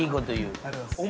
ありがとうございます